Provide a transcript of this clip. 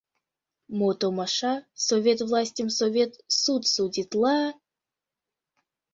Мо томаша, совет властьым совет суд судитла...